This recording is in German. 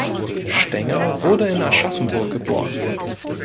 Stenger wurde in Aschaffenburg geboren.